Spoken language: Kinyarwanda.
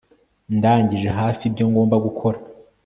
Ndangije hafi ibyo ngomba gukora